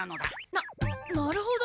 ななるほど。